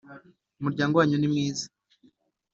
umuryango wanyu ni mwiza